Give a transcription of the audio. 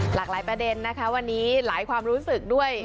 หลากหลายประเด็นนะคะวันนี้หลายความรู้สึกด้วย